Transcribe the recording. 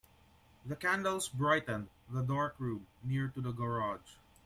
The candles brightened the dark room near to the garage.